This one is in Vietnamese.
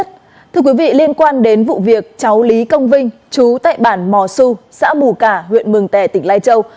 thưa quý vị liên quan đến vụ việc cháu lý công vinh chú tại bản mò su xã mù cả huyện mường tè tỉnh lai châu